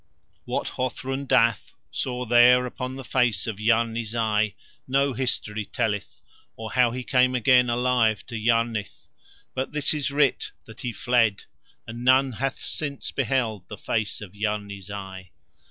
What Hothrun Dath saw there upon the face of Yarni Zai no history telleth, or how he came again alive to Yarnith, but this is writ that he fled, and none hath since beheld the face of Yarni Zai.